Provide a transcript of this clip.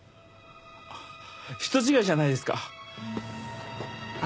人違いじゃないですか？